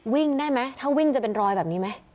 วิ่งได้ไหมถ้าวิ่งจะเป็นรอยแบบนี้ไหม